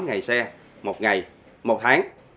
tám ngày xe một ngày một tháng